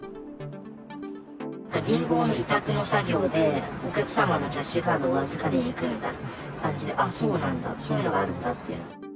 強盗事件で実行役を担うなど、銀行の委託の作業で、お客様のキャッシュカードを預かりに行くみたいな感じで、ああ、そうなんだ、そういうのがあるんだっていう。